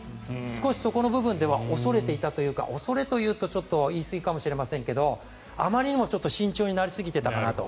少しそこの部分では恐れていたというか恐れというとちょっと言い過ぎかもしれませんがあまりにも慎重になりすぎていたかなと。